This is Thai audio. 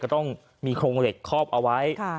ต้องมีโครงเหล็กคอบเอาไว้